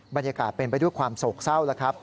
บรรยากาศเป็นไปด้วยความโศกเศร้า